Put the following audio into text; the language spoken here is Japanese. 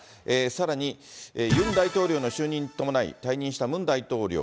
さらに、ユン大統領の就任に伴い、退任したムン大統領。